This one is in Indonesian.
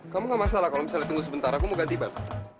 kamu ga masalah kalo misalnya tunggu sebentar aku mau ganti ban